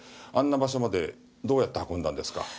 あんな場所までどうやって運んだんですか？